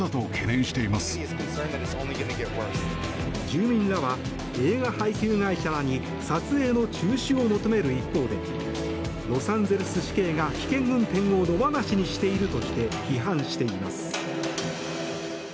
住民らは映画配給会社らに撮影の中止を求める一方でロサンゼルス市警が危険運転を野放しにしているとして批判しています。